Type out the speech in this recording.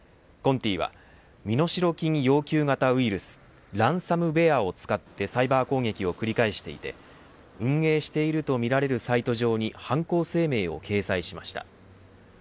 Ｃｏｎｔｉは身代金要求型ウイルスランサムウエアを使ってサイバー攻撃を繰り返していて運営しているとみられるサイト上に犯行声明を掲載しました。